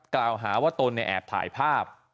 กล่าวหาว่าตนแอบถ่ายภาพ